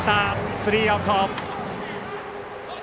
スリーアウト。